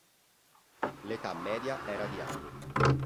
L'età media era di anni.